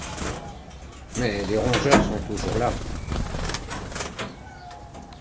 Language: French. Mais les rongeurs sont toujours là.